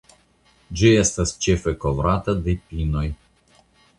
Ĝi estas ĉefe kovrata de pinoj.